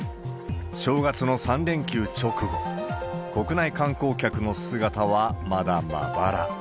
正月の３連休直後、国内観光客の姿はまだまばら。